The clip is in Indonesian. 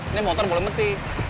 ini motor boleh mati